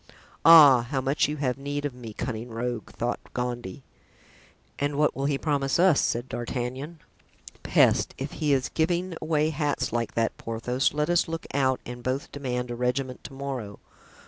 "Ah! how much you have need of me, cunning rogue!" thought Gondy. ("And what will he promise us?" said D'Artagnan. "Peste, if he is giving away hats like that, Porthos, let us look out and both demand a regiment to morrow.